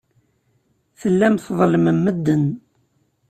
Tellam tḍellmem medden.